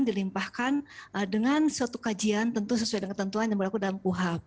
dilimpahkan dengan suatu kajian tentu sesuai dengan ketentuan yang berlaku dalam kuhap